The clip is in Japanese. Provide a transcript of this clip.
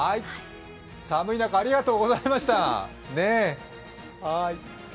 寒い中、ありがとうございました。